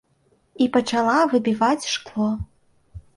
І пачала выбіваць шкло.